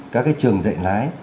các cái trường dạy lái